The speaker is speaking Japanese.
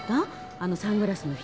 あのサングラスの人。